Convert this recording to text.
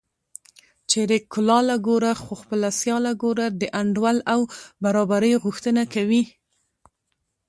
چېرې کلاله ګوره خو خپله سیاله ګوره د انډول او برابرۍ غوښتنه کوي